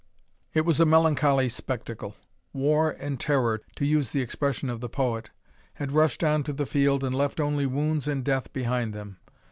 It was a melancholy spectacle. War and terror, to use the expression of the poet, had rushed on to the field, and left only wounds and death behind them.